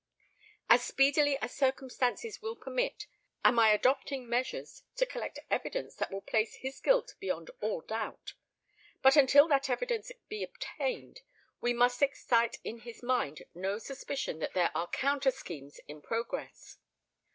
As speedily as circumstances will permit am I adopting measures to collect evidence that will place his guilt beyond all doubt. But until that evidence be obtained, we must excite in his mind no suspicion that there are counter schemes in progress.